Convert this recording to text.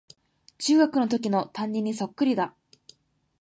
中学のときの担任にそっくりだ